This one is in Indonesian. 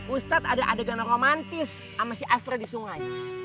ustadz ada adegan romantis sama si iver di sungai